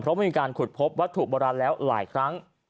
เพราะมีการขุดพบวัตถุโบราณแล้วหลายครั้ง